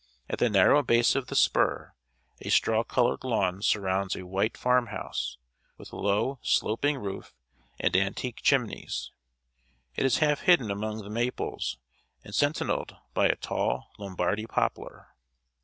At the narrow base of the spur, a straw colored lawn surrounds a white farm house, with low, sloping roof and antique chimneys. It is half hidden among the maples, and sentineled by a tall Lombardy poplar.